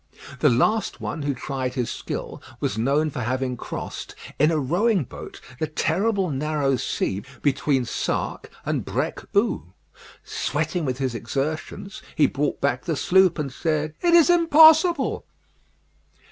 The last one who tried his skill was known for having crossed, in a rowing boat, the terrible narrow sea between Sark and Brecq Hou. Sweating with his exertions, he brought back the sloop, and said, "It is impossible."